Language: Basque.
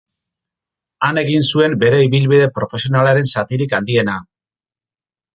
Han egin zuen bere ibilbide profesionalaren zatirik handiena.